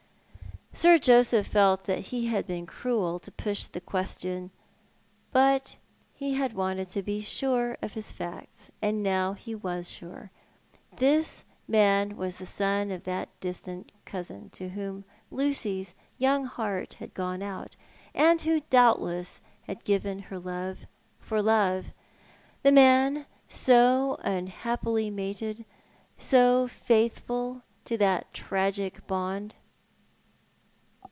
Sir Joseph felt that he had been cruel to push the question, but he had wanted to be sure of his facts; and now he was sure. This man was the son of that distant cousin to whom Lucy's young heart had gone out, and who doubtless had given her love for love ; the man so unhappily mated, so faithful to that tragic bond.